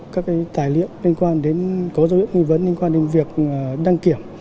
các tài liệu có dấu hiệu nghi vấn liên quan đến việc đăng kiểm